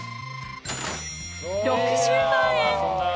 ６０万円。